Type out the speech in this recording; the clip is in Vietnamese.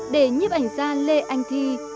để nhiếp ảnh ra lê anh thi